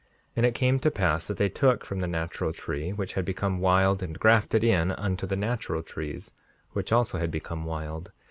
5:55 And it came to pass that they took from the natural tree which had become wild, and grafted in unto the natural trees, which also had become wild.